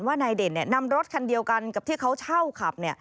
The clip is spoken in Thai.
นายเด่นนำรถคันเดียวกันกับที่เขาเช่าขับ